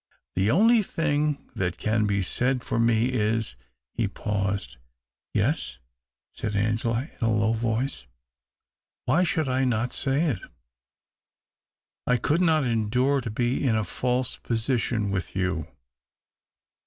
The only thing that can be said for me IS He paused. " Yes ?" said Angela, in a low voice. " Why should I not say it ? I could not endure to be in a false position with you."